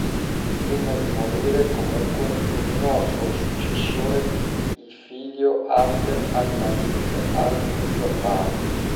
Prima di morire, comunque, nominò suo successore il figlio Abd al-Malik al-Muzaffar.